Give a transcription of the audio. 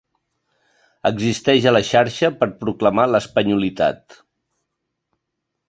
Existeix a la xarxa per proclamar l'espanyolitat.